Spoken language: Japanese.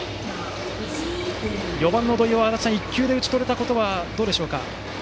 ４番の土井を１球で打ち取れたことはどうでしょうか。